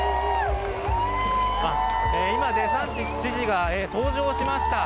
今、デサンティス知事が登場しました。